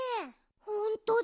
ほんとだ！